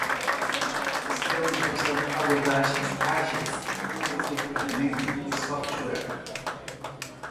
Estamos usando abordagens ágeis no desenvolvimento de software.